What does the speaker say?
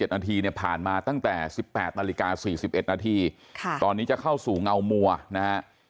นาทีเนี่ยผ่านมาตั้งแต่๑๘นาฬิกา๔๑นาทีตอนนี้จะเข้าสู่เงามัวนะฮะ